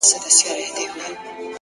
جانه راځه د بدن وينه مو په مينه پرېولو’